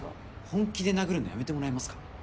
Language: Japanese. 本気で殴るのやめてもらえますか？